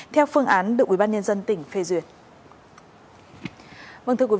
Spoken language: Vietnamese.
theo phương án được ubnd tỉnh phê duyệt